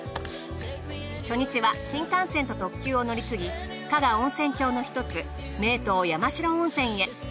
初日は新幹線と特急を乗り継ぎ加賀温泉郷のひとつ名湯山代温泉へ。